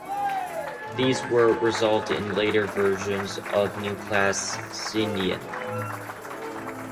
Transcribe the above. These were resolved in later versions of the New Class sedan.